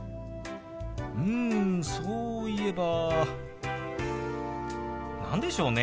うんそういえば何でしょうね。